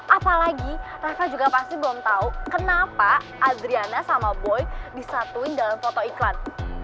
apalagi rafa juga pasti belum tahu kenapa adriana sama boy disatuin dalam foto iklan